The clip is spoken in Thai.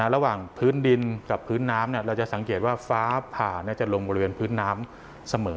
ระหว่างพื้นดินกับพื้นน้ำเราจะสังเกตว่าฟ้าผ่าจะลงบริเวณพื้นน้ำเสมอ